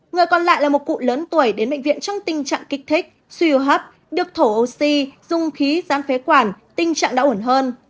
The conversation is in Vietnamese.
người còn lại là một cụ lớn tuổi đến bệnh viện trong tình trạng kích thích suy hô hấp được thổ oxy dùng khí gián phế quản tình trạng đã ổn hơn